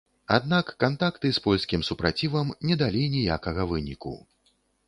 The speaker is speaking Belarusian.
Аднак кантакты з польскім супрацівам не далі ніякага выніку.